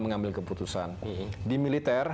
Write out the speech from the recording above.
mengambil keputusan di militer